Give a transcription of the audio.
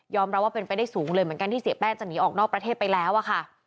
รับว่าเป็นไปได้สูงเลยเหมือนกันที่เสียแป้งจะหนีออกนอกประเทศไปแล้วอะค่ะ